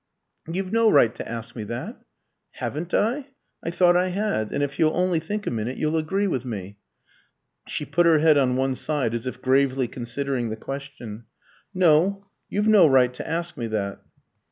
"You've no right to ask me that." "Haven't I? I thought I had; and, if you'll only think a minute, you'll agree with me." She put her head on one side as if gravely considering the question. "No. You've no right to ask me that."